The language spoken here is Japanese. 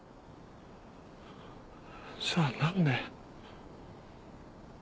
じゃあ何で？